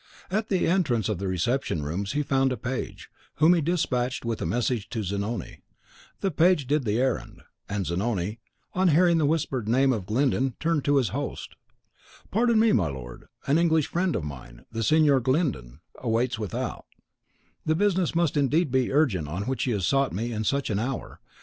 At the entrance of the reception rooms he found a page, whom he despatched with a message to Zanoni. The page did the errand; and Zanoni, on hearing the whispered name of Glyndon, turned to his host. "Pardon me, my lord; an English friend of mine, the Signor Glyndon (not unknown by name to your Excellency) waits without, the business must indeed be urgent on which he has sought me in such an hour.